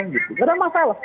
gak ada masalah